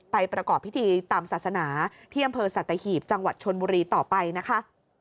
ประกอบพิธีตามศาสนาที่อำเภอสัตหีบจังหวัดชนบุรีต่อไปนะคะ